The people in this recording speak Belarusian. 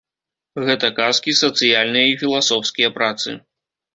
Гэта казкі, сацыяльныя і філасофскія працы.